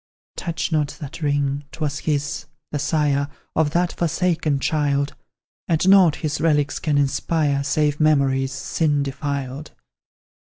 Touch not that ring; 'twas his, the sire Of that forsaken child; And nought his relics can inspire Save memories, sin defiled.